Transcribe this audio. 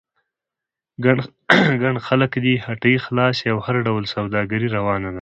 ګڼ خلک دي، هټۍ خلاصې او هر ډول سوداګري روانه ده.